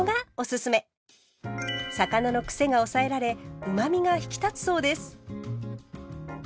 魚のクセが抑えられうまみが引き立つそうです。